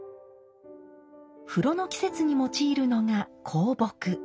風炉の季節に用いるのが香木。